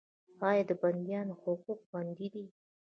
آیا د بندیانو حقوق خوندي دي؟